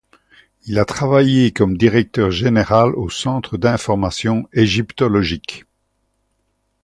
Il a travaillé comme directeur général du centre d'information égyptologique.